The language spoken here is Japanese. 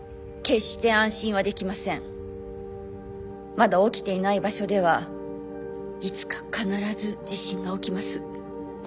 まだ起きていない場所ではいつか必ず地震が起きます。